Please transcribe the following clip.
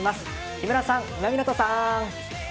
木村さん、今湊さん。